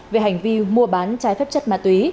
về hành vi mua bán trái phép chất ma túy